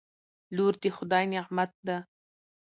لور دخدای نعمت ده